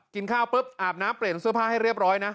กินข้าวปุ๊บอาบน้ำเปลี่ยนเสื้อผ้าให้เรียบร้อยนะ